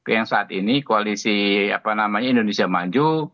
yang saat ini koalisi indonesia maju